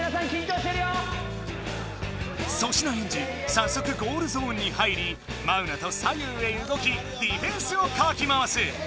さっそくゴールゾーンに入りマウナと左右へうごきディフェンスをかき回す！